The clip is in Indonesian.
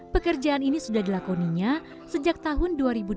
pekerjaan ini sudah dilakoninya sejak tahun dua ribu delapan